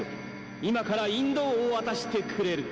今から引導を渡してくれる。